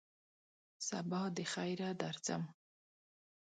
سبا دخیره درځم !